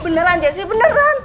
beneran jessi beneran